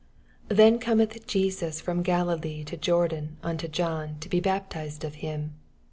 18 Then oometh Jesas from Galilee to Jordan onto John, to be baptised of him.